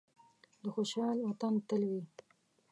د خوشحال وطن تل وي.